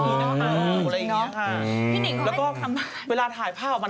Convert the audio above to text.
อ๋อจริงเนอะพี่นิ้งเขาให้ทำบ้านแล้วก็เวลาถ่ายผ้าออกมา